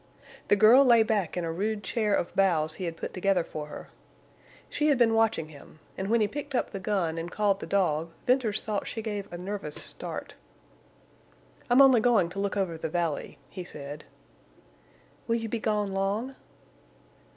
The girl lay back in a rude chair of boughs he had put together for her. She had been watching him, and when he picked up the gun and called the dog Venters thought she gave a nervous start. "I'm only going to look over the valley," he said. "Will you be gone long?"